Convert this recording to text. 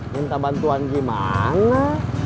minta bantuan gimana